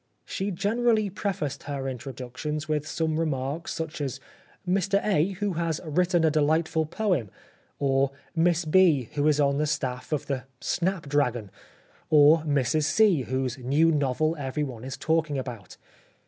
She generally pre faced her introductions with some remarks such as 'Mr A., who has written a delightful poem,' or Miss B., who is on the staff of ' The Snap dragon/ or ' Mrs C, whose new novel everyone is talking about.'